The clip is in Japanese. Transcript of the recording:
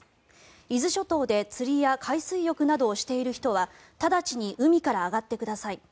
伊豆諸島で釣りや海水浴などをしている人は直ちに海から上がってください。